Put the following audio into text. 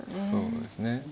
そうですね。